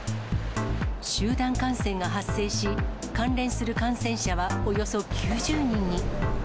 集団感染が発生し、関連する感染者はおよそ９０人に。